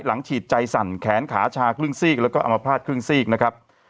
ฉีดใจสั่นแขนขาชาครึ่งซีกแล้วก็อมภาษณครึ่งซีกนะครับ